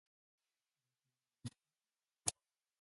The show opened in Chicago.